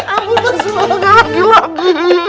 ampun mas wah gak lagi lagi